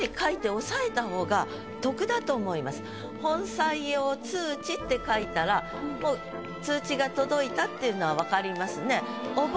「本採用通知」って書いたらもう通知が届いたっていうのは分かりますね。